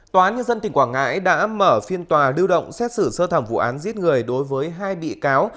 tòa nhân dân tỉnh quảng ngãi đã mở phiên tòa lưu động xét xử sơ thẩm vụ án giết người đối với hai bị cáo